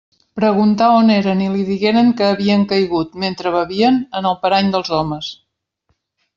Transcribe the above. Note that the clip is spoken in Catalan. Preguntà on eren i li digueren que havien caigut, mentre bevien, en el parany dels homes.